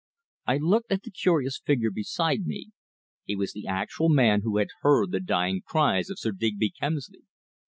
I looked at the curious figure beside me. He was the actual man who had heard the dying cries of Sir Digby Kemsley.